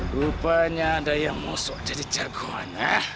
rupanya ada yang masuk jadi caguan